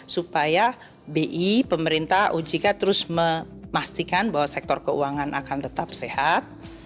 supaya bi pemerintah ojk terus memastikan bahwa sektor keuangan akan tetap sehat